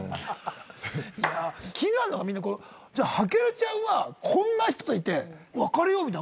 気になるのははけるちゃんはこんな人といて。